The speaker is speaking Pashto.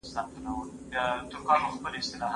د آدم خان د رباب زور وو اوس به وي او کنه